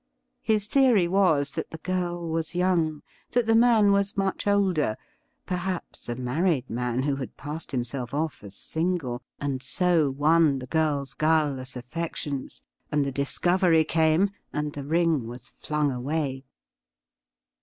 His theory was that the girl was young, that the man was much older — perhaps a married man who had passed him self off as single, and so won the girl's guileless affections ; and the discovery came, and the ring was flung away.